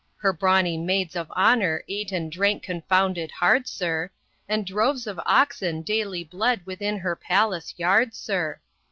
Her brawny maids of honour ate and drank confounded hard, sir, And droves of oxen daily bled within her palace yard, sir!